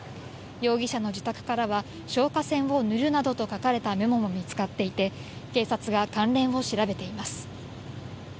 容疑者の自宅からは、消火栓を塗るなどと書かれたメモも見つかっていて、警察が関連を調べています。